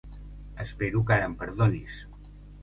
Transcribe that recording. Espero que ara em perdonis.